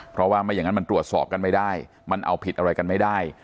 เพราะว่าไม่อย่างนั้นมันตรวจสอบกันไม่ได้มันเอาผิดอะไรกันไม่ได้